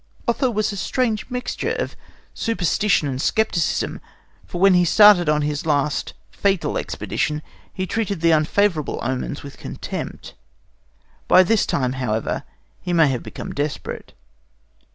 Otho was a strange mixture of superstition and scepticism, for when he started on his last fatal expedition he treated the unfavourable omens with contempt. By this time, however, he may have become desperate.